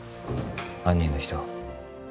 犯人の人